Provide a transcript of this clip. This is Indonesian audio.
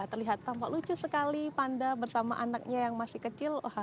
terlihat tampak lucu sekali panda bersama anaknya yang masih kecil